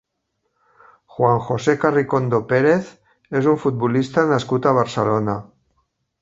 Juan José Carricondo Pérez és un futbolista nascut a Barcelona.